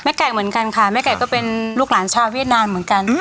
ไก่เหมือนกันค่ะแม่ไก่ก็เป็นลูกหลานชาวเวียดนามเหมือนกัน